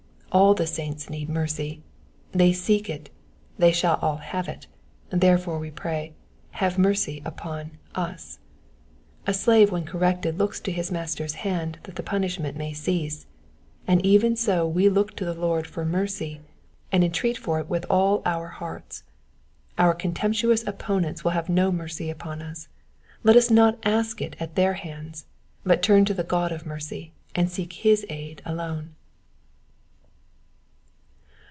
All the saints need mercy ; they all seek it ; they shall all have it, therefore we pray — have mercy upon t«." A slave when corrected looks to his master's hand that the punishment may cease, and even so we look to the Lord for mercy, and entreat for it with all our hearts. Our contemptuous opponents will have do mercy upon us ; let us not ask it at their hands, but turn to the God of mercy, and seek his aid alone.